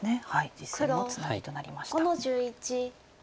実戦もツナギとなりました。